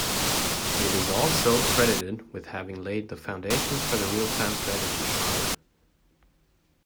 It is also credited with having laid the foundations for the real-time strategy genre.